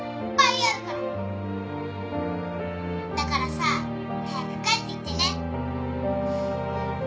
だからさ早く帰ってきてね。